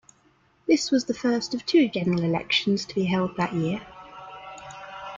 This was the first of two general elections to be held that year.